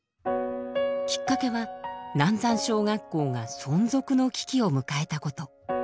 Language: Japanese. きっかけは南山小学校が存続の危機を迎えたこと。